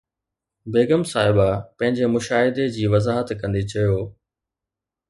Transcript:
بيگم صاحبه پنهنجي مشاهدي جي وضاحت ڪندي چيو